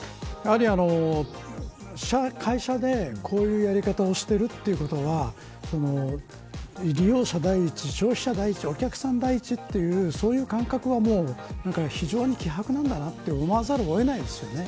やはり会社でこういうやり方をしているということは利用者第一、消費者第一お客さん第一、という感覚は非常に希薄なんだなと思わざるをえないですよね。